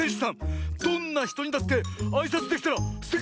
どんなひとにだってあいさつできたらすてきだよ！